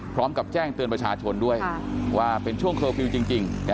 พร้อมกับแจ้งเตือนประชาชนด้วยว่าเป็นช่วงเคอร์ฟิลล์จริง